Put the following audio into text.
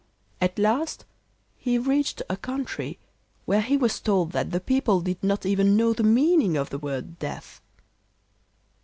At last he reached a country where he was told that the people did not even know the meaning of the word death.